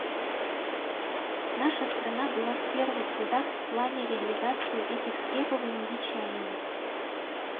Наша страна была в первых рядах в плане реализации этих требований и чаяний.